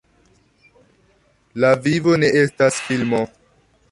La vivo ne estas filmo.